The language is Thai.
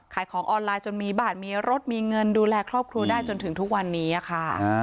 ขายของออนไลน์จนมีบ้านมีรถมีเงินดูแลครอบครัวได้จนถึงทุกวันนี้ค่ะ